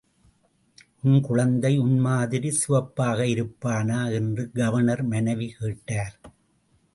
உன் குழந்தை உன் மாதிரி சிவப்பாக இருப்பானா? என்று கவர்னர் மனைவி கேட்டார்.